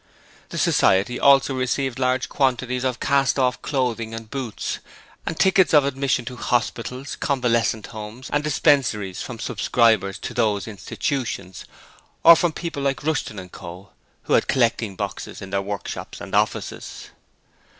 The society also received large quantities of cast off clothing and boots, and tickets of admission to hospitals, convalescent homes and dispensaries from subscribers to those institutions, or from people like Rushton & Co., who had collecting boxes in their workshops and offices.